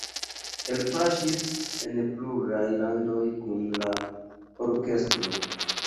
Li elpaŝis en pluraj landoj kun la orkestro.